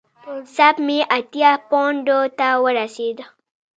سپ مې اتیا پونډو ته ورسېده.